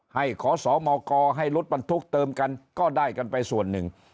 ให้ขอสมกให้รถบรรทุกเติมกันก็ได้กันไปส่วนหนึ่ง